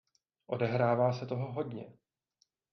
Odehrává se toho hodně.